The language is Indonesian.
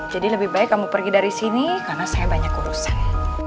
jadi lebih baik kamu pergi dari sini karena saya banyak urusan